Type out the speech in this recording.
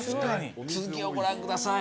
続きをご覧ください。